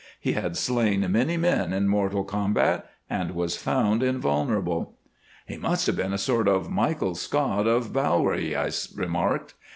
He had slain many men in mortal combat, and was found invulnerable. "He must have been a sort of Michael Scott of Balwearie," I remarked.